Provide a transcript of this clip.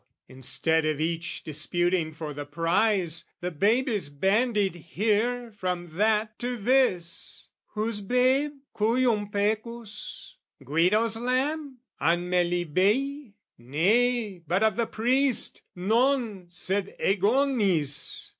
Instead of each disputing for the prize, The babe is bandied here from that to this. Whose the babe? "Cujum pecus?" Guido's lamb? "An Melibaei?" Nay, but of the priest! "Non sed Aegonis!"